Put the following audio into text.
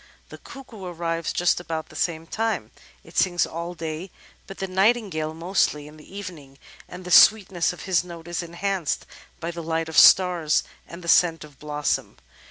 The Cuckoo arrives just about the same time. It sings all day, but the Nightingale mostly in the evening, and the sweetness of his note is enhanced by the light of stars and the scent of blossom.